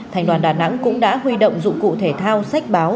thành đoàn đà nẵng cũng đã huy động dụng cụ thể thao sách báo